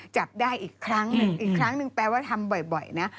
จับได้อีกครั้งหนึ่งอีกครั้งหนึ่งแปลว่าทำบ่อยนะ